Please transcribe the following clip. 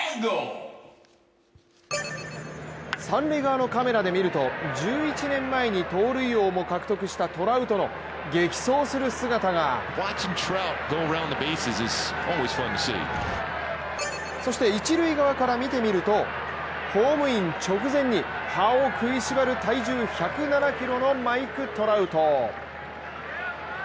三塁側のカメラで見ると１１年前に盗塁王も獲得したトラウトの激走する姿が一塁側から見てみると、ホームイン直前に歯を食いしばる、体重１０７ｋｇのマイク・トラウト。